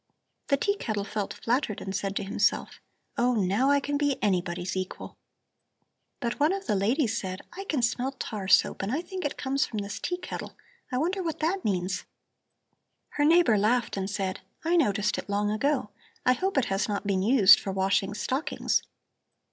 The tea kettle felt flattered and said to himself: 'Oh, now I can be anybody's equal.' But one of the ladies said: 'I can smell tar soap and I think it comes from this tea kettle. I wonder what that means?' Her neighbor laughed and said: 'I noticed it long ago. I hope it has not been used for washing stockings.'